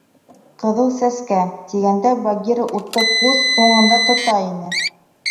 «Ҡыҙыл Сәскә» тигәндә Багира утты күҙ уңында тота ине.